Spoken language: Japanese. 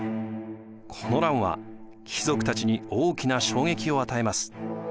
この乱は貴族たちに大きな衝撃を与えます。